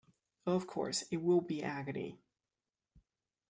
Of course, it will be agony.